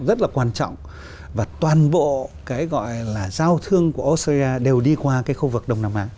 rất là quan trọng và toàn bộ cái gọi là giao thương của australia đều đi qua cái khu vực đông nam á